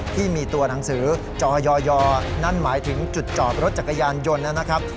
ที่มีตัวหนังสือจอยนั่นหมายถึงจุดจอดรถจักรยานยนต์นะครับ